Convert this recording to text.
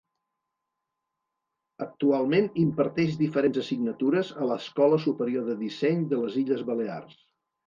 Actualment imparteix diferents assignatures a l'Escola Superior de Disseny de les Illes Balears.